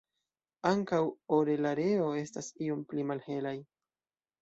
Ankaŭ orelareo estas iom pli malhelaj.